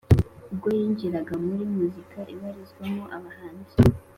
ubwo yinjiraga muri muzika ibarizwamo abahanzi